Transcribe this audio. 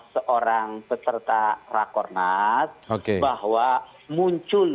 yang pertama ahmad heriawan